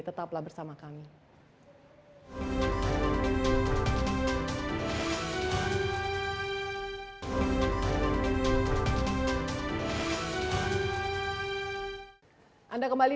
tetaplah bersama kami